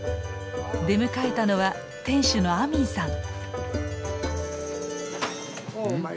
出迎えたのは店主のアミンさん。